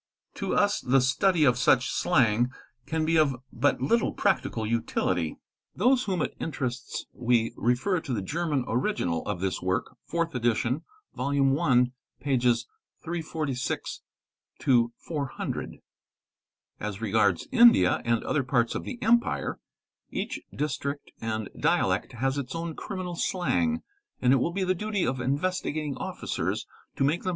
To us the study of such slang can be of but little practical utility. Those whom it interests we refer to the German original of — this work, 4th Edition, Vol. I., pp. 346—400. As regards India and — other parts of the Empire each 'district and dialect has its. own criminal slang and it will be the duty of Investigating Officers to make them